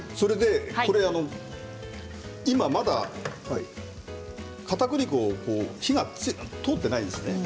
今、まだかたくり粉火が通っていないですね。